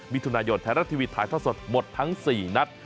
มิทุนายนแทนะทีวีทถ่ายท่าสดหมดทั้งสี่นัด